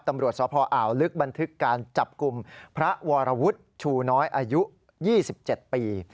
ตำรวจสพอ่าวลึกบันทึกการจับกลุ่มพระวรวุฒิชูน้อยอายุ๒๗ปี